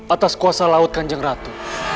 atas kuasa laut kanjeng ratu